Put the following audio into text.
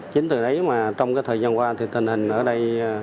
chính từ đấy mà trong cái thời gian qua thì tình hình ở đây